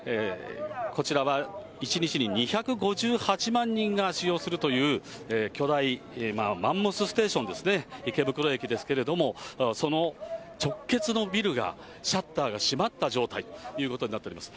こちらは１日に２５８万人が使用するという巨大、まあマンモスステーションですね、池袋駅ですけれども、その直結のビルがシャッターが閉まった状態ということになっております。